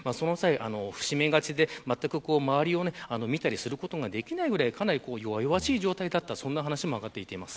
伏し目がちで、まったく周りを見たりすることができないぐらい弱々しい状態だったという話も上がっています。